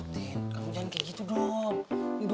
tin kamu jangan kayak gitu dong